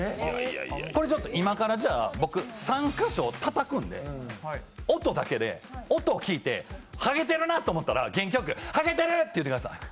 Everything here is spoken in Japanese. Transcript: これ、今から３か所たたくんで音だけ聞いてハゲてるなって思ったら元気よく、「ハゲてる！」って言ってください。